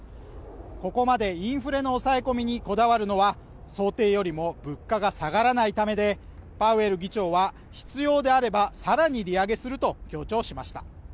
ここまでインフレの抑え込みにこだわるのは、想定よりも物価が下がらないためで、パウエル議長は必要であれば、さらに利上げすると強調しました。